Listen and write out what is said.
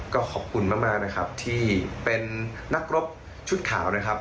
ก็ขอบคุณมากนะครับที่เป็นนักรบชุดขาวนะครับ